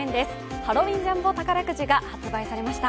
ハロウィンジャンボ宝くじが発売されました。